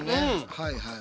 はいはい。